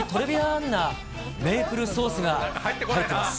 ンなメープルソースが入ってます。